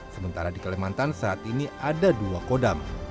sementara di kalimantan saat ini ada dua kodam